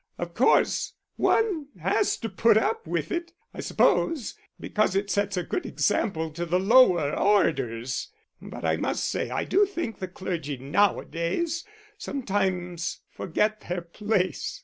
Of course one has to put up with it, I suppose, because it sets a good example to the lower orders; but I must say I do think the clergy nowadays sometimes forget their place.